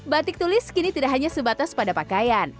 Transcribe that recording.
batik tulis kini tidak hanya sebatas pada pakaian